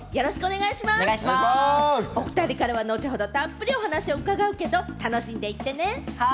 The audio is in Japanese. おふたりからは後ほどたっぷりお話を伺うけれど、楽しんでいってね。